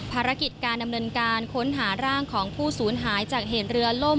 ภารกิจการดำเนินการค้นหาร่างของผู้สูญหายจากเหตุเรือล่ม